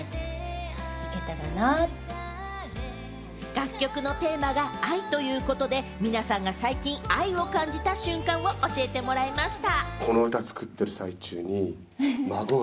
楽曲のテーマが愛ということで、皆さんが最近、愛を感じた瞬間を教えてもらいました。